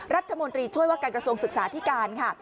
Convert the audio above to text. รัฐมนตรีช่วยว่าการกระทรวงศึกษาที่การค่ะ